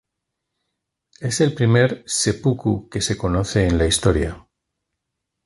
Es el primer "seppuku" que se conoce en la historia.